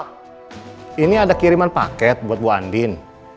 wah ini ada kiriman paket buat bu andin